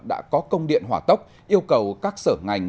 đã có công điện hỏa tốc yêu cầu các sở ngành